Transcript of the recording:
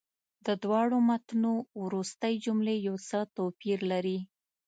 د دواړو متونو وروستۍ جملې یو څه توپیر لري.